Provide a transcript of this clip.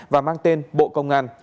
và mang tên bộ công an